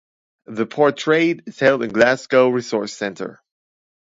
The portrait is held in Glasgow Resource Centre.